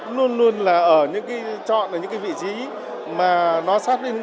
luôn luôn là ở những cái chọn ở những cái vị trí mà nó sát lên